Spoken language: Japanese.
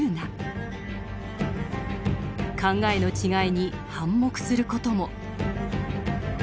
考えの違いに反目する事も。